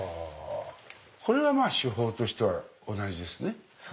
これは手法としては同じですね。